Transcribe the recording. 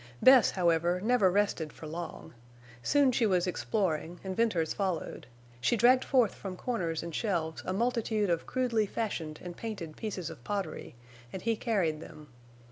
Bess, however, never rested for long. Soon she was exploring, and Venters followed; she dragged forth from corners and shelves a multitude of crudely fashioned and painted pieces of pottery, and he carried them.